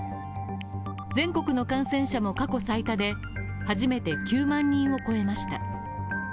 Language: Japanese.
全国の感染者も過去最多で、初めて９万人を超えました。